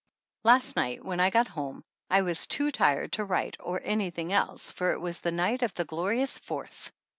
Last night when I got home I was too tired to write or anything else, for it was the night of the glorious Fourth!